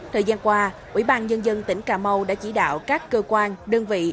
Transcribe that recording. thời gian qua ubnd tỉnh cà mau đã chỉ đạo các cơ quan đơn vị